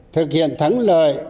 thực hiện thắng lợi